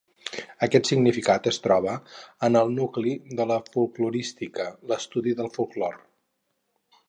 Aquest significat es troba en el nucli de la folklorística, l'estudi del folklore.